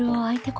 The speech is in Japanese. はい。